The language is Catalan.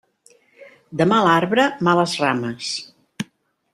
De mal arbre, males rames.